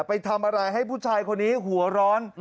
ไปทำอะไรให้ผู้ชายคนนี้หัวร้อน